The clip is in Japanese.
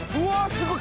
すごい。